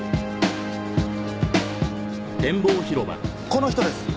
この人です。